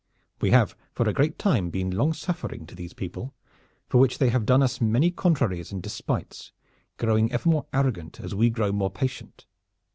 We have for a great time been long suffering to these people, for which they have done us many contraries and despites, growing ever more arrogant as we grow more patient.